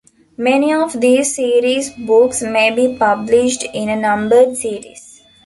Many of these series books may be published in a numbered series.